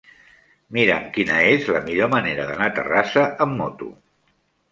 Mira'm quina és la millor manera d'anar a Terrassa amb moto.